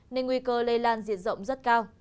nên nguy cơ lây lan diệt rộng rất cao